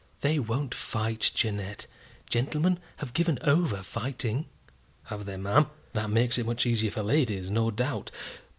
"They won't fight, Jeannette. Gentlemen have given over fighting." "Have they, ma'am? That makes it much easier for ladies, no doubt.